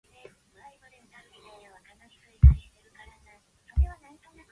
However, with the advent of cellular devices, communication has become faster and more efficient.